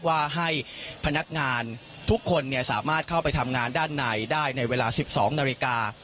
ว่าให้พนักงานทุกคนสามารถเข้าไปทำงานด้านในได้ในเวลา๑๒นาฬิกา